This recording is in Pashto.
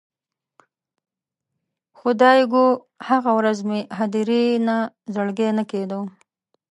خدایږو، هغه ورځ مې هدیرې نه زړګی نه کیده